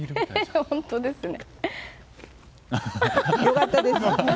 良かったです！